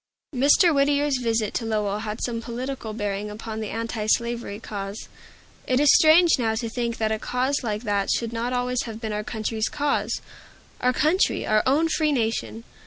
Mr. Whittier's visit to Lowell had some political bearing upon the antislavery cause. It is strange now to think that a cause like that should not always have been our country's cause, our country, our own free nation!